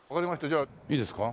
じゃあいいですか？